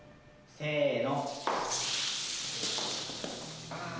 せの。